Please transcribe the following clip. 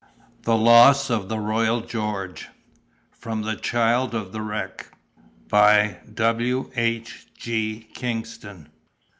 THE LOSS OF THE ROYAL GEORGE (From the Child of the Wreck.) By W. H. G. KINGSTON.